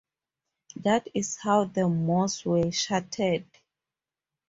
That is how the Moors were shattered.